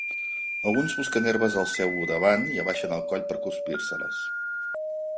Alguns busquen herbes al seu davant i abaixen el coll per cruspirse-les.